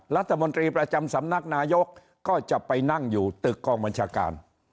รัฐมนตรีประจำสำนักนายกก็จะไปนั่งอยู่ตึกกองบัญชาการ